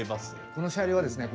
この車両はですね